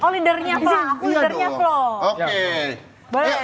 oh leadernya vla oh leadernya vla